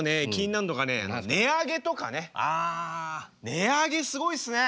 値上げすごいっすね。